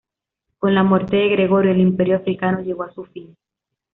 Con la muerte de Gregorio, el Imperio africano llegó a su fin.